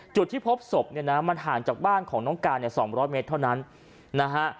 จุดที่พบศพเนี่ยนะมันห่างจากบ้านของน้องการเนี่ย๒๐๐เมตรเท่านั้นนะฮะ